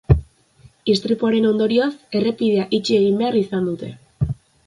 Istripuaren ondorioz, errepidea itxi egin behar izan dute.